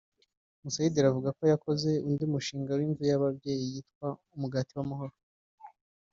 Musayidire avuga yakoze undi mushinga w’inzu y’ababyeyi witwa “Umugati w’amahoro”